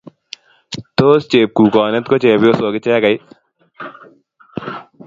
Tos chepkukonet ko chepyosok ichegei?